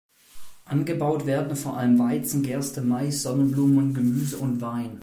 Angebaut werden vor allem Weizen, Gerste, Mais, Sonnenblumen, Gemüse und Wein.